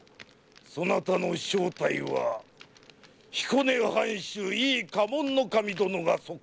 そなたの正体は彦根藩主・井伊掃部頭殿が息女鶴姫！